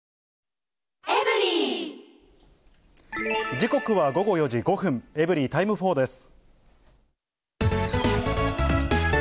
時刻は午後４時５分、エブリィタイム４です。